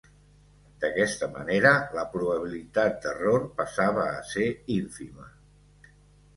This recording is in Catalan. D'aquesta manera, la probabilitat d'error passava a ser ínfima.